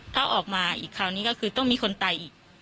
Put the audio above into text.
ถ้าออกมาอีกคราวนี้ก็คือต้องมีคนตายอีก